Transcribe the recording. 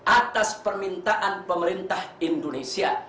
atas permintaan pemerintah indonesia